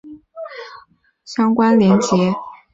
相关连结